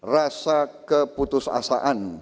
rasa keputus asa